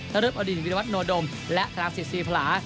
ธรรพอดินวิทยาวัฒนโดมและธรรมศิษย์ศรีพลา